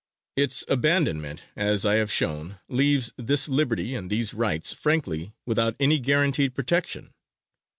Its abandonment, as I have shown, leaves this liberty and these rights frankly without any guaranteed protection.